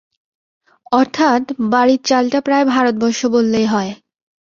অর্থাৎ, বাড়ির চালটা প্রায় ভারতবর্ষ বললেই হয়।